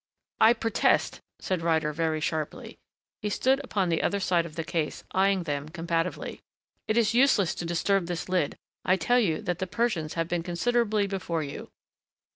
"I protest," said Ryder very sharply. He stood upon the other side of the case, eying them combatively. "It is useless to disturb this lid I tell you that the Persians have been considerably before you."